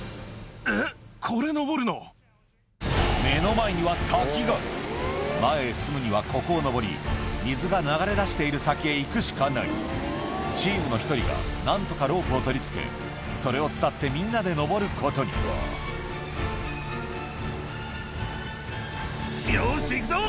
目の前には前へ進むにはここを登り水が流れ出している先へ行くしかないチームの１人が何とかロープを取り付けそれを伝ってみんなで登ることによし行くぞ！